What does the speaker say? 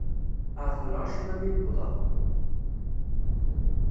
Ԑeṭṭleɣ acemma mi d-wwḍeɣ...